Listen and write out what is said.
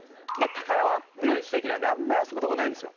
高輪っていう地域なんであんまり遊ぶとこないんですよ。